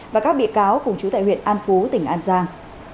và các bị cáo cùng chú tại huyện an phú tỉnh an giang